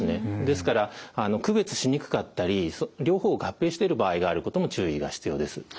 ですから区別しにくかったり両方を合併してる場合があることも注意が必要です。